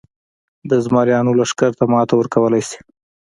د زمریانو لښکر ته ماتې ورکولای شي.